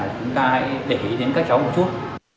chúng ta hãy để ý đến các cháu một chút